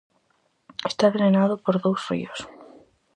Está drenado por dous ríos.